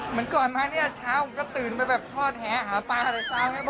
เหมือนก่อนมาเนี่ยเช้าผมก็ตื่นไปแบบทอดแหหาปลาแต่เช้าให้หมด